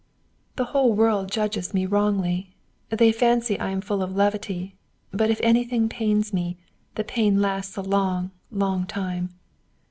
"The whole world judges me wrongly. They fancy I am full of levity. But if anything pains me, the pain lasts a long, long time.